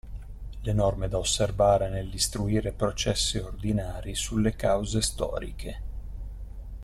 Le Norme da osservare nell'istruire processi ordinari sulle cause storiche.